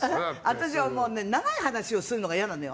私は長い話をするのが嫌なのよ。